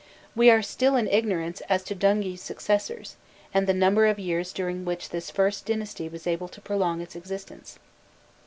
We are still in ignorance as to Dungi's successors, and the number of years during which this first dynasty was able to prolong its existence.